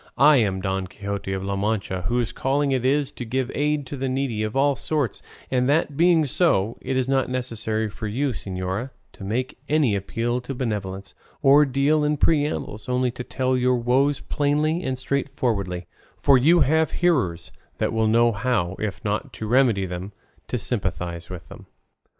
I am Don Quixote of La Mancha, whose calling it is to give aid to the needy of all sorts; and that being so, it is not necessary for you, señora, to make any appeal to benevolence, or deal in preambles, only to tell your woes plainly and straightforwardly: for you have hearers that will know how, if not to remedy them, to sympathise with them."